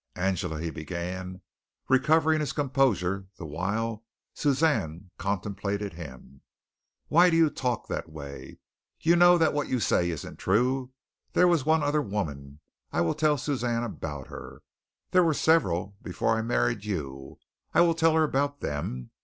"Angela," he began, recovering his composure the while Suzanne contemplated him, "why do you talk that way? You know that what you say isn't true. There was one other woman. I will tell Suzanne about her. There were several before I married you. I will tell her about them.